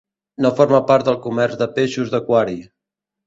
No forma part del comerç de peixos d'aquari.